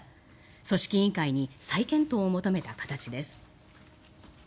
組織委員会に再検討を求めた形です。